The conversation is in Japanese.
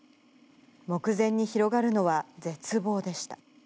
目前に広がるのは絶望でした。